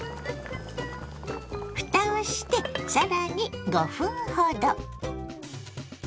ふたをして更に５分ほど。